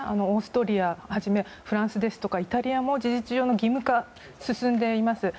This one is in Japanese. オーストリアをはじめフランスやイタリアでも事実上の義務化が進んでいます。